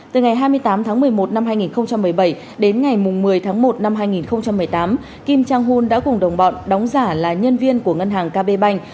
từ ngày hai mươi tám tháng một mươi một năm hai nghìn một mươi bảy đến ngày một mươi tháng một năm hai nghìn một mươi tám kim chang hun đã cùng đồng bọn đóng giả là nhân viên của ngân hàng kb bank